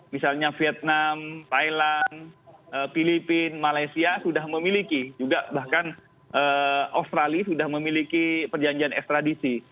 misalnya vietnam thailand filipina malaysia bahkan australia sudah memiliki perjanjian ekstradisi